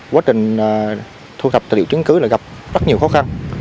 quá trình thu thập tài liệu chứng cứ là gặp rất nhiều khó khăn